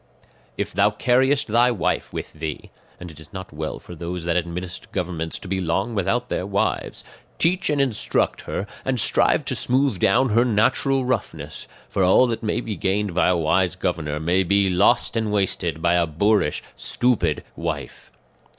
"If thou carriest thy wife with thee (and it is not well for those that administer governments to be long without their wives), teach and instruct her, and strive to smooth down her natural roughness; for all that may be gained by a wise governor may be lost and wasted by a boorish stupid wife.